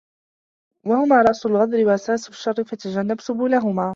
وَهُمَا رَأْسُ الْغَدْرِ وَأَسَاسُ الشَّرِّ فَتَجَنَّبْ سُبُلَهُمَا